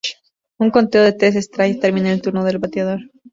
Un conteo de tres strikes termina el turno del bateador.